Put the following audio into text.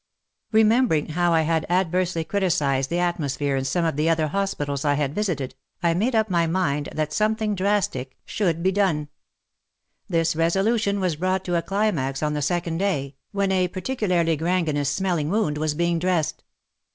Remembering how I had adversely criticised the atmosphere in some of the other hospitals I had visited, I made up my mind that something drastic should be o g WAR AND WOMEN 125 done. This resolution was brought to a climax on the second day, when a particularly gangrenous smelling wound was being dressed.